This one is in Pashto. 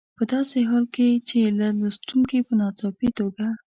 په داسې حال کې چې که لوستونکي په ناڅاپي توګه.